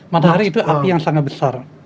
matahari itu api yang sangat besar